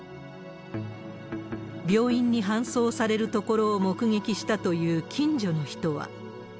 病院に搬送されるところを目撃したという近所の人は。